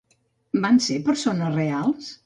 Van ser persones reals?